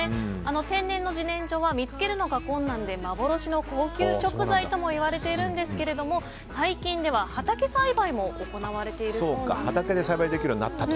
天然の自然薯は見つけるのが困難で幻の高級食材ともいわれているんですが最近では畑栽培も行われているそうなんです。